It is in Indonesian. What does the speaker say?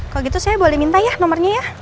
kalau gitu saya boleh minta ya nomornya ya